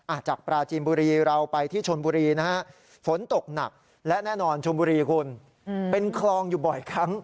จากปราจีนบุรีเราไปที่ชนบุรีนะฮะฝนตกหนักและแน่นอนชนบุรีคุณเป็นคลองอยู่บ่อยครั้ง